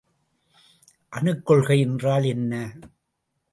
அணுக்கொள்கை என்றால் என்ன?